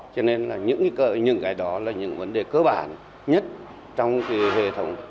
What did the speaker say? cho nên những cái đó là những vấn đề cơ bản nhất trong hệ thống